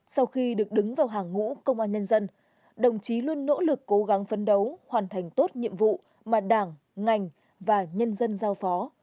sau khi được đứng vào hàng ngũ công an nhân dân đồng chí luôn nỗ lực cố gắng phấn đấu hoàn thành tốt nhiệm vụ mà đảng ngành và nhân dân giao phó